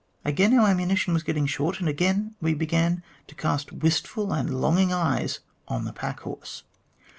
Again our ammunition was getting short, and again we began to cast wistful and longing eyes on the pack horse.